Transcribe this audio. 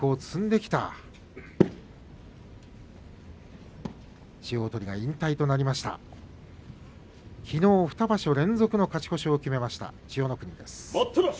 きのう２場所連続の勝ち越しを決めた千代の国です。